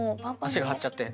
足が張っちゃって？